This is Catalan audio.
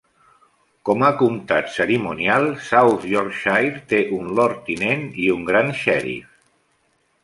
Com a comtat cerimonial, South Yorkshire té un Lord tinent i un gran xèrif.